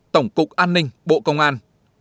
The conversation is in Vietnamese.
tổng cục an ninh bộ công an